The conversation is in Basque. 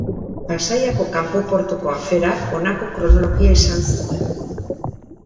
Pasaiako kanpo portuko aferak honako kronologia izan zuen.